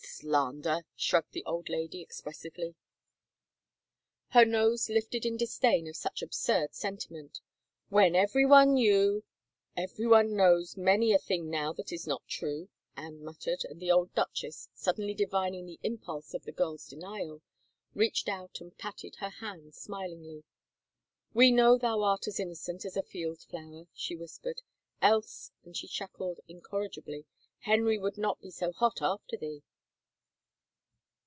" Slander !" shrugged the old lady expressively. Her nose lifted in disdain of such absurd sentiment " When everyone knew —"" Everyone knows many a thing now that is not true," Anne muttered and the old duchess, suddenly divining the impulse of the girl's denial, reached out and patted her hand smilingly. " We know thou art as innocent as a field flower," she whispered, " else," and she chuckled incorrigibly, " Henry would not be so hot after thee."